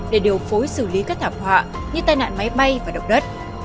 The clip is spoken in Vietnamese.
để điều phối xử lý các thảm họa như tai nạn máy bay và động đất